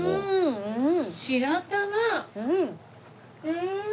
うん！